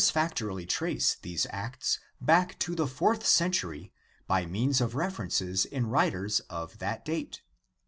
INTRODUCTION XI factorily trace these Acts back to the fourth century by means of references in writers of that date.